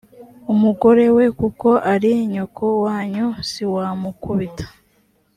umugore we kuko ari nyoko wanyu siwamukubita